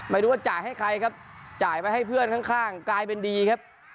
ไม่รู้ว่าจ่ายให้ใครครับจ่ายไปให้เพื่อนข้างกลายเป็นดีครับ